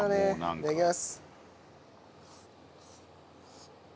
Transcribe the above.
いただきます。